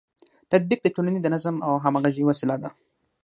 تطبیق د ټولنې د نظم او همغږۍ وسیله ده.